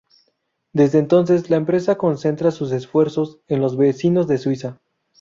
Desde entonces, la empresa concentra sus esfuerzos en los vecinos de Suiza.